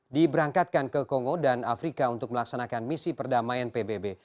diberangkatkan ke kongo dan afrika untuk melaksanakan misi perdamaian pbb